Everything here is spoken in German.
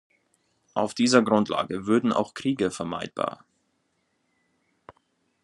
Auf dieser Grundlage würden auch Kriege vermeidbar.